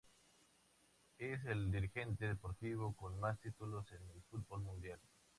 Es el dirigente deportivo con más títulos en el fútbol mundial.